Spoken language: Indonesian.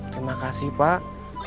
terima kasih pak